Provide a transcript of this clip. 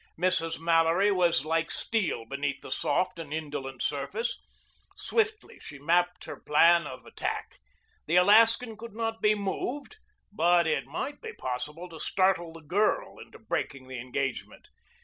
Mrs. Mallory was like steel beneath the soft and indolent surface. Swiftly she mapped her plan of attack. The Alaskan could not be moved, but it might be possible to startle the girl into breaking the engagement.